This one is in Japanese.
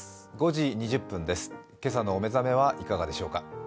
５時２０分です、今朝のお目覚めはいかがでしょうか。